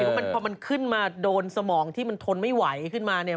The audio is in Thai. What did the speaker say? เพราะมันพอมันขึ้นมาโดนสมองที่มันทนไม่ไหวขึ้นมาเนี่ย